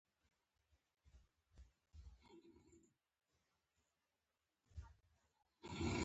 هېواد د هنرمند ویاړ دی.